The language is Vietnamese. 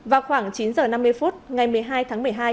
vào khoảng chín h năm mươi phút ngày một mươi hai tháng một mươi hai